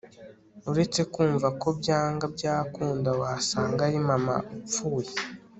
uretse kumva ko byanga byakunda wasanga ari mama upfuye